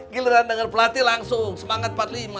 giliran dengan pelatih langsung semangat empat puluh lima